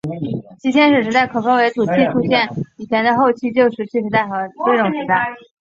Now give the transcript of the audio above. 其先史时代可分为土器出现以前的后期旧石器时代和土器出现之后的贝冢时代。